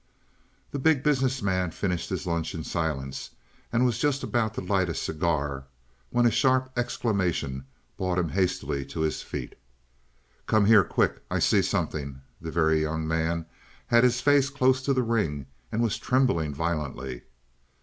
The Big Business Man finished his lunch in silence and was just about to light a cigar when a sharp exclamation brought him hastily to his feet. "Come here, quick, I see something." The Very Young Man had his face close to the ring and was trembling violently.